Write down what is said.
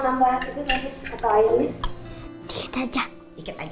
aduh adeknya nih sukanya nih